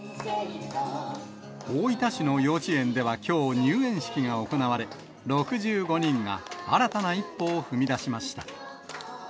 大分市の幼稚園では、きょう入園式が行われ、６５人が新たな一歩を踏み出しました。